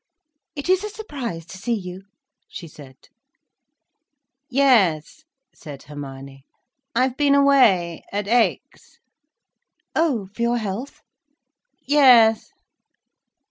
"It is a surprise to see you," she said. "Yes," said Hermione—"I've been away at Aix—" "Oh, for your health?" "Yes."